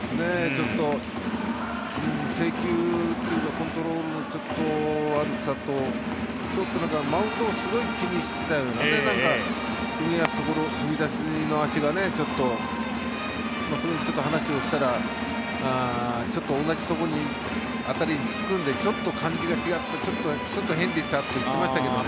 ちょっと制球というかコントロールのちょっと悪さとマウンドをすごく気にしていたようななんか踏み出しの足がちょっとという話をしたらちょっと同じところ辺りにつくのでちょっと感じが違ってちょっと変でしたって言ってましたけどね。